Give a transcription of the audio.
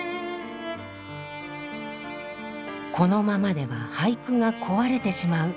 「このままでは俳句が壊れてしまう」。